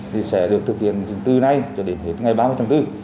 thì sẽ được thực hiện từ nay cho đến hết ngày ba mươi tháng bốn